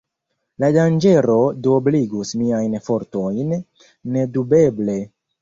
La danĝero duobligus miajn fortojn, nedubeble.